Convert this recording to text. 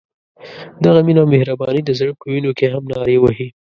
دغه مینه او مهرباني د زړه په وینو کې هم نارې وهي.